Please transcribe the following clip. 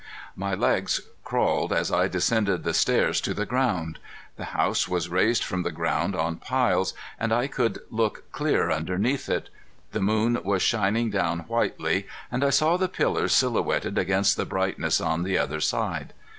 My legs crawled as I descended the stairs to the ground. The house was raised from the ground on piles, and I could look clear underneath it. The moon was shining down whitely, and I saw the pillars silhouetted against the brightness on the other side.